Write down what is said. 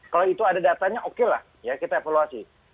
kalau itu ada datanya okelah kita evaluasi